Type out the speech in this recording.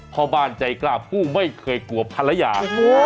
พ่อบ้านใจกล้าผู้ไม่เคยกลัวภรรยา